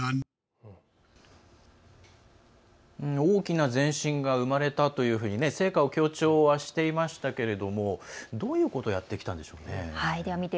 大きな前進が生まれたというふうに成果を強調はしていましたけれどもどういうことをやってきたんでしょうね。